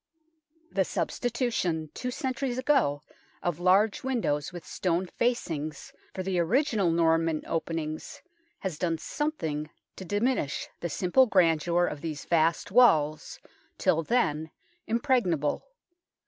The substitution two centuries ago of large windows with stone facings for the original Norman openings has done something to THE NORMAN KEEP 29 diminish the simple grandeur of these vast walls, till then impregnable.